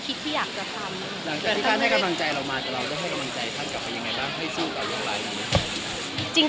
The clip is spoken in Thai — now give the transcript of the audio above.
หลังจากที่ท่านให้กำลังใจเรามาจะรอด้วยให้กำลังใจท่านกลับไปยังไงบ้าง